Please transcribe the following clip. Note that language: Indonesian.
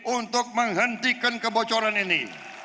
untuk menghentikan kebocoran ini